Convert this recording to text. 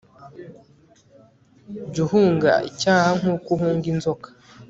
jya uhunga icyaha nk'uko uhunga inzoka